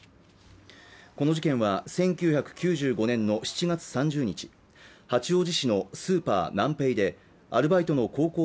この事件は１９９５年の７月３０日八王子市のスーパーナンペイでアルバイトの高校２